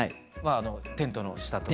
テントの下とか？